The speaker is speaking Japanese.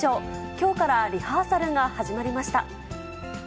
きょうからリハーサルが始まりま